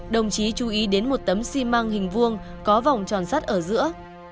đồng chí chú ý đến một tấm xi măng hình vuông có vòng tròn sắt ở giữa